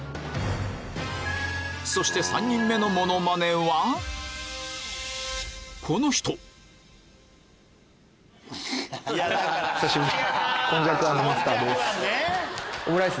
そして３人目のモノマネはこの人久しぶり。